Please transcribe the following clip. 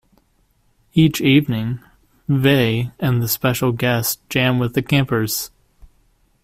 Each evening, Vai and the special guests jam with the campers.